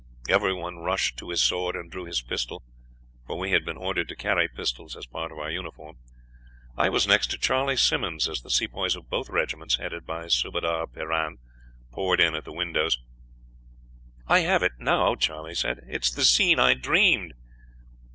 Everyone rushed to his sword and drew his pistol for we had been ordered to carry pistols as part of our uniform. I was next to Charley Simmonds as the Sepoys of both regiments, headed by Subadar Piran, poured in at the windows. "'I have it now,' Charley said; 'it is the scene I dreamed.'